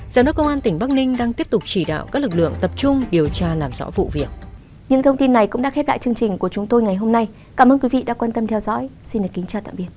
giám đốc công an tỉnh bắc ninh đang tiếp tục chỉ đạo các lực lượng tập trung điều tra làm rõ vụ việc